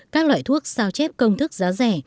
các loại thuốc sao chép công thức giá rẻ